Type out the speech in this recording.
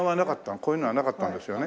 こういうのはなかったんですよね？